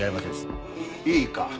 いいか？